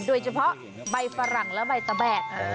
โดยเฉพาะใบฝรั่งและใบตะแบก